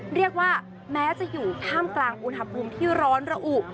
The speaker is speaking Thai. เรียกว่าแม้จะอยู่ท่ามกลางอุณหภูมิที่ร้อนระอุ